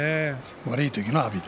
悪い時の阿炎だ。